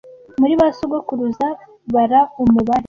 muri ba sogokuruza bara umubare